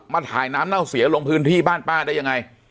มาถ่ายน้ำเน่าเสียลงพื้นที่บ้านป้าได้ยังไง